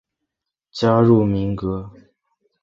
加入民革。